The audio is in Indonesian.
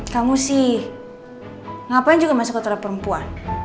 kamu sih ngapain juga masuk toilet perempuan